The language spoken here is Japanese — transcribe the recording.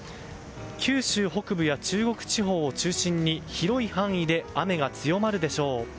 九州北部や中国地方を中心に広い範囲で雨が強まるでしょう。